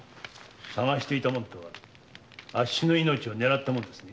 「探していたもの」とはあっしの命を狙った者ですね？